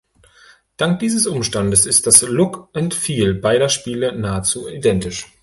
Dank dieses Umstandes ist das Look and Feel beider Spiele nahezu identisch.